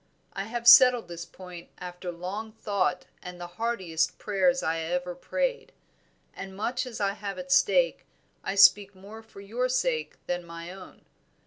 I have settled this point after long thought and the heartiest prayers I ever prayed; and much as I have at stake, I speak more for your sake than my own.